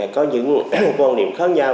có những quan niệm khác nhau